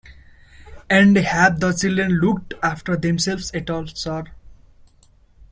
And have the children looked after themselves at all, sir?